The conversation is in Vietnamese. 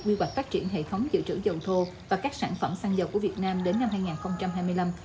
quy hoạch phát triển hệ thống dự trữ dầu thô và các sản phẩm xăng dầu của việt nam đến năm hai nghìn hai mươi năm